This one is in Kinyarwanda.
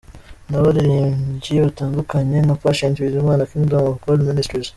n'abaririmbyi batandukanye nka Patient Bizimana , Kingdom of God Ministries,